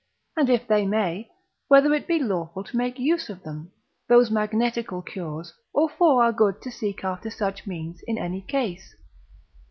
and if they may, whether it be lawful to make use of them, those magnetical cures, or for our good to seek after such means in any case?